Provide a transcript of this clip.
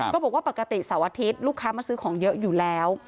บอกว่าปกติเสาร์อาทิตย์ลูกค้ามาซื้อของเยอะอยู่แล้ว